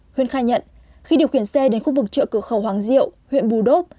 huyên khai nhận khi điều khiển xe đến khu vực chợ cửa khẩu hoàng diệu huyện bù đốp